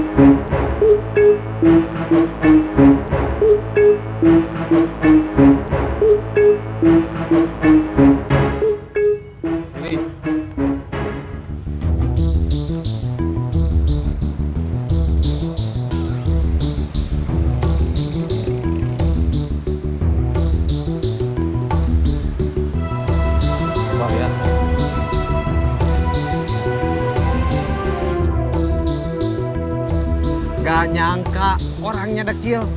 gak nyangka orangnya dekil